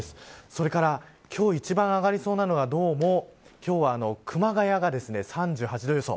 それから今日一番が上がりそうなのはどうも熊谷が３８度予想。